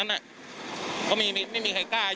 กู้ภัยก็เลยมาช่วยแต่ฝ่ายชายก็เลยมาช่วย